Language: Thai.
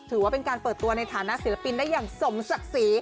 ถือว่าเป็นการเปิดตัวในฐานะศิลปินได้อย่างสมศักดิ์ศรี